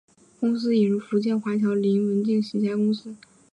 公司引入福建华侨林文镜旗下公司融侨实业发展为企业投资者。